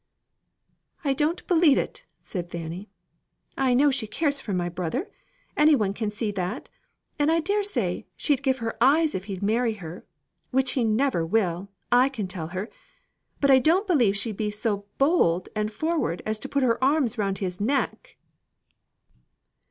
"I don't believe it," said Fanny. "I know she cares for my brother; any one can see that; and I dare say, she'd give her eyes if he'd marry her, which he never will, I can tell her. But I don't believe she'd be so bold and forward as to put her arms round his neck."